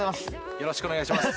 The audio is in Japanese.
よろしくお願いします。